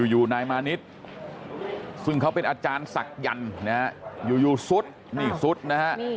อยู่นายมานิดซึ่งเขาเป็นอาจารย์ศักยันต์นะฮะอยู่ซุดนี่ซุดนะฮะ